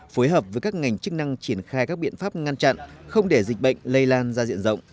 phối hợp với các ngành chức năng triển khai các biện pháp ngăn chặn không để dịch bệnh lây lan ra diện rộng